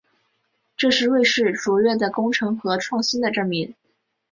这是瑞士卓越的工程和创新的证明。